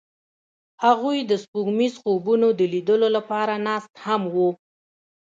هغوی د سپوږمیز خوبونو د لیدلو لپاره ناست هم وو.